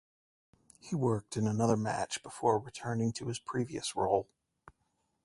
He worked in another match before returning to his previous role.